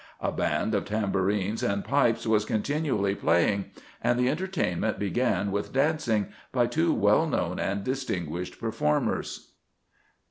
A band of tambourines and pipes was continually playing ; and the entertainment began with dancing, by two well known and distinguished performers.